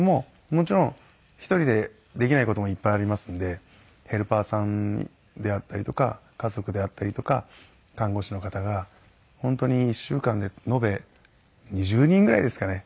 もちろん一人でできない事もいっぱいありますんでヘルパーさんであったりとか家族であったりとか看護師の方が本当に１週間で延べ２０人ぐらいですかね。